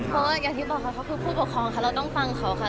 เพราะว่าอย่างที่บอกค่ะเขาคือผู้ปกครองค่ะเราต้องฟังเขาค่ะ